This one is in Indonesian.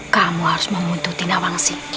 kamu harus membunuh nawangsi